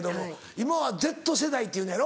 今はＺ世代っていうのやろ？